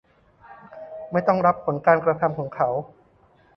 ไม่ต้องรับผลการกระทำของเขา